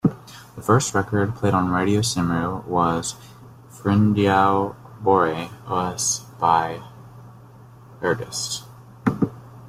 The first record played on Radio Cymru was "Ffrindiau Bore Oes" by Hergest.